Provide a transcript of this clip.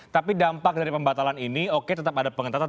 tapi dampak dari pembatalan ini oke tetap ada pengetatan